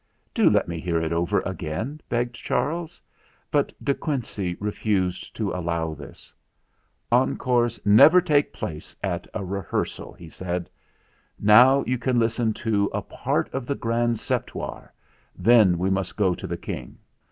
"Do let me hear it over again," begged Charles ; but De Quincey refused to allow this. "Encores never take place at a rehearsal," he said. "Now you can listen to a part of the Grand Septuor ; then we must go to the King."